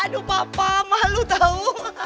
aduh papa malu tau